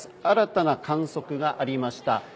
新たな観測がありました。